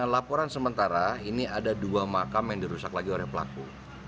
laporan sementara ini ada dua makam yang dirusak lagi oleh pelaku